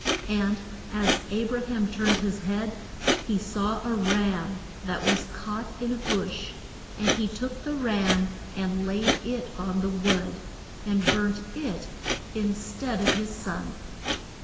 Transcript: And as A bra ham turned his head he saw a ram that was caught in a bush, and he took the ram and laid it on the wood, and burnt it in stead of his son.